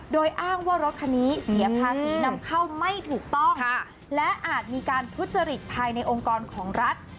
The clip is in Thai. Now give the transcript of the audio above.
โดยอ้างว่ารถคันนี้เสียภาษีนำเข้าไม่ถูกต้องและอาจมีการทุจริตภายในองค์กรของรัฐ